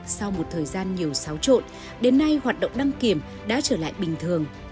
sau một thời gian nhiều xáo trộn đến nay hoạt động đăng kiểm đã trở lại bình thường